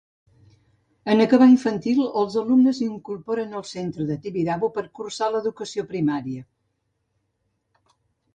En acabar infantil, els alumnes s'incorporen al centre de Tibidabo per cursar l'educació primària.